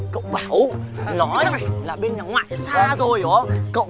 cậu bảo nói là bên nhà ngoại nó xa rồi đúng không